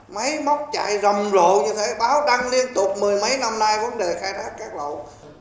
máy móc chạy rầm rộ như thế báo đang liên tục mười mấy năm nay vấn đề khai thác cát lậu